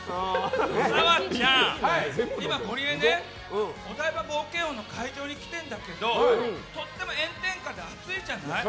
澤部ちゃん、今ゴリエねお台場冒険王の会場に来てるんだけどとても炎天下で暑いじゃない。